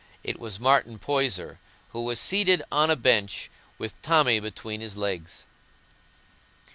It was Martin Poyser, who was seated on a bench, with Tommy between his legs.